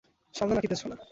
সামনে নাকি পেছনে?